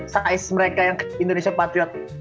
size mereka yang ke indonesia patriot